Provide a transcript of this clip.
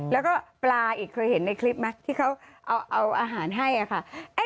แล้วก็ปลาอีกเคยเห็นในคลิปไหมที่เขาเอาอาหารให้ค่ะ